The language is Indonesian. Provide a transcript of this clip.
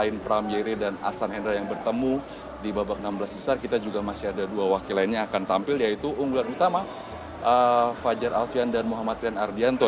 ini yang baru saja menyelesaikan pertandingan yang siang tadi juga harus mengakui keunggulan asal tiongkok chen qingchen jia yifan